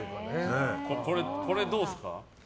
これどうですか？